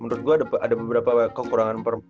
menurut gue ada beberapa kekurangan